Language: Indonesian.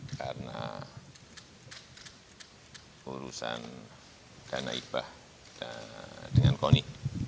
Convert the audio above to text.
karena urusan dana ibah dengan koni